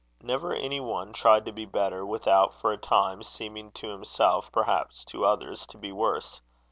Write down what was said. Never any one tried to be better, without, for a time, seeming to himself, perhaps to others, to be worse.